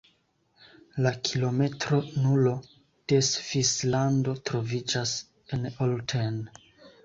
La “kilometro nulo” de Svislando troviĝas en Olten.